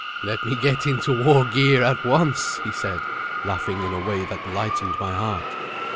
"Let me get into war gear at once," he said, laughing in a way that lightened my heart.